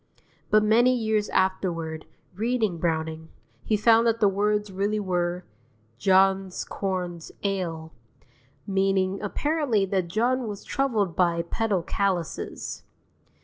But many years afterward, reading Browning, he found that the words really were: "John's corns ail," meaning apparently that John was troubled by pedal callouses.)